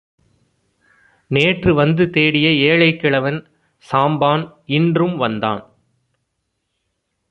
நேற்று வந்து தேடிய ஏழைக்கிழவன் சாம்பான் இன்றும் வந்தான்.